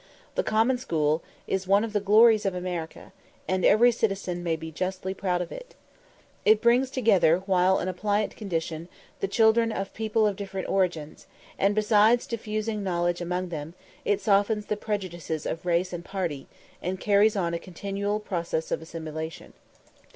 The common school is one of the glories of America, and every citizen may be justly proud of it. It brings together while in a pliant condition the children of people of different origins; and besides diffusing knowledge among them, it softens the prejudices of race and party, and carries on a continual process of assimilation.